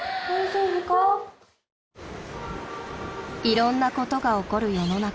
［いろんなことが起こる世の中］